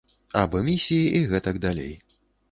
Аб эмісіі і гэтак далей.